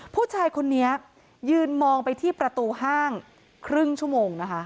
ผู้ชายคนนี้ยืนมองไปที่ประตูห้างครึ่งชั่วโมงนะคะ